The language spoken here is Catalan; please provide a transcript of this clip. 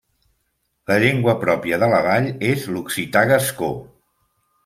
La llengua pròpia de la vall és l'occità gascó.